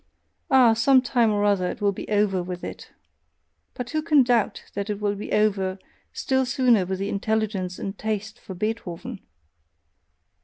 Ah, some time or other it will be over with it! but who can doubt that it will be over still sooner with the intelligence and taste for Beethoven!